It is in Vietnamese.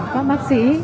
các bác sĩ